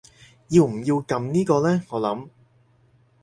要唔要撳呢個呢我諗